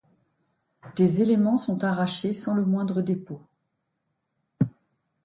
Des éléments sont arrachés sans le moindre dépôt.